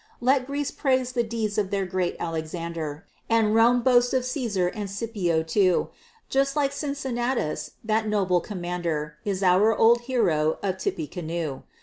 Let Greece praise the deeds of her great Alexander And Rome boast of Cæsar and Scipio too; Just like Cincinnatus, that noble commander, Is our old Hero of Tippecanoe.